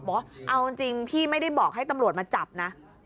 บอกว่าเอาจริงพี่ไม่ได้บอกให้ตำรวจมาจับนะ